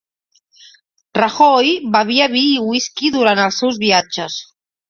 Rajoy bevia vi i whisky durant els seus viatges